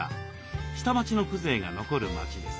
下町の風情が残る町です。